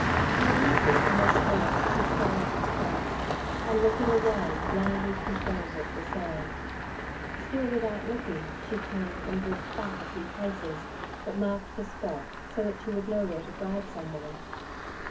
Tearing a strip from her skirt, she shrouded its face, and, looking away, blindly pushed over it the sand; still without looking, she turned and walked back a few paces, but marked the spot, so that she would know where to guide someone.